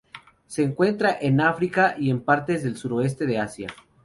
Se encuentra en África y en partes del suroeste de Asia.